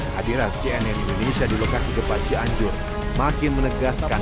hadiran cnn indonesia di lokasi gempa cianjur makin menegaskan